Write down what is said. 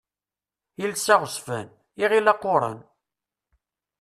Iles aɣezzfan, iɣil aquran.